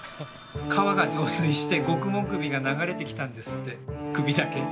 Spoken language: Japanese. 川が増水して獄門首が流れてきたんですって首だけ。